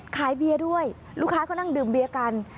เบียร์ด้วยลูกค้าก็นั่งดื่มเบียร์กัน